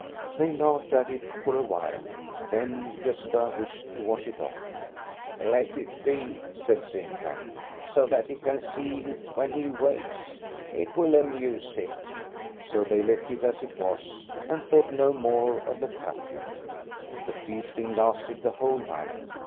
They laughed at it for a while, then Gosta wished to wash it off. 1 "Let it be," said Sintram, "so that he can see it Brhen he wakes. It will amuse him." r So they left it as it was, and thought no more of the captain. The feasting lasted the whole night.